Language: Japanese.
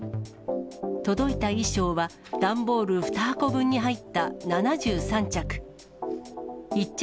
届いた衣装は段ボール２箱分に入った７３着。